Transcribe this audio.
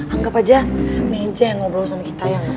anggap aja meja yang ngobrol sama kita ya